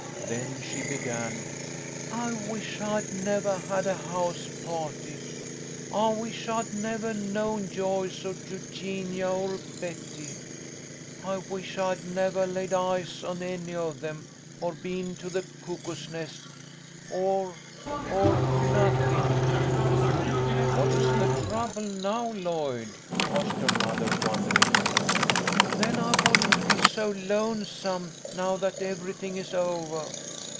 Then she began :" I wish I'd nevah had a house party. I wish I'd nevah known Joyce or Eugenia or Betty. I wish 128 THE LITTLE COLONEL'S HOLIDAYS. I'd nevah laid eyes on any of them, or been to the Cuckoo's Nest, or or nothin 1 /"" What is the trouble now, Lloyd ?" asked her mother, wonderingly. " Then I wouldn't be so lonesome now that every thing is ovah.